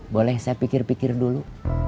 boleh saya pikir pikir dulu